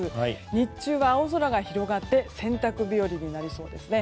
日中は青空が広がって洗濯日和になりそうですね。